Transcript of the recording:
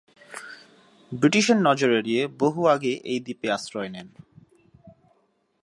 ব্রিটিশের নজর এড়িয়ে বহু আগে এই দ্বীপে আশ্রয় নেন।